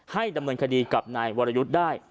ดำเนินคดีกับนายวรยุทธ์ได้